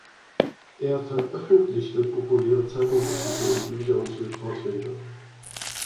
Er veröffentlichte populäre Zeitungsartikel und Bücher und hielt Vorträge.